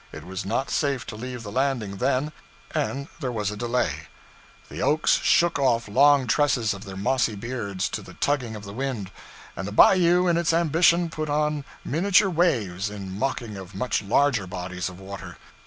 It was not safe to leave the landing then, and there was a delay. The oaks shook off long tresses of their mossy beards to the tugging of the wind, and the bayou in its ambition put on miniature waves in mocking of much larger bodies of water.